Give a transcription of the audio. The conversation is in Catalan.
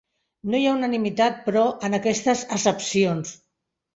No hi ha unanimitat, però, en aquestes accepcions.